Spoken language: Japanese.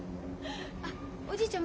あおじいちゃん